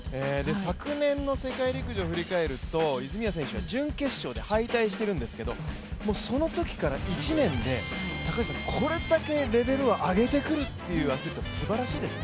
昨年の世界陸上を振り返ると泉谷選手は準決勝で敗退しているんですけど、そのときから１年でこれだけレベルを上げてくるというアスリートすばらしいですね。